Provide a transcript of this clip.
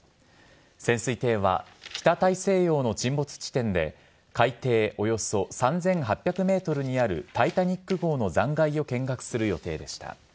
潜水艇は、北大西洋の沈没地点で、海底およそ３８００メートルにあるタイタニック号の残骸を見学する予定でした。